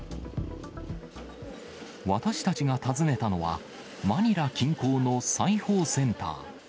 私たちが訪ねたのは、マニラ近郊の裁縫センター。